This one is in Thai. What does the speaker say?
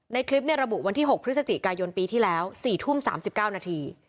ในคลิประบุวันที่๖พฤศจิกายนปีที่แล้ว๔ทุ่ม๓๙นาที